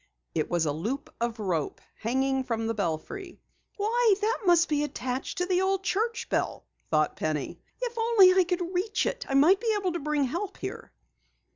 It was a loop of rope, hanging from the belfry. "Why, that must be attached to the old church bell!" thought Penny. "If only I could reach it, I might be able to bring help here."